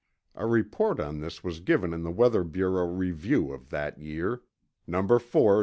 A report on this was given in the Weather Bureau Review of that year, Number 4 599.